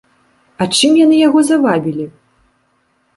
А чым яны яго завабілі?